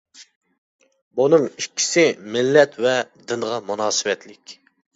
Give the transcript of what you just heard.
بۇنىڭ ئىككىسى مىللەت ۋە دىنغا مۇناسىۋەتلىك.